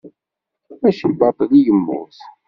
Mačči baṭel i yemmut.